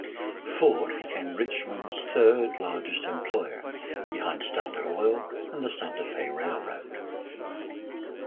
Ford became Richmond's third largest employer, behind Standard Oil and the Santa Fe Railroad.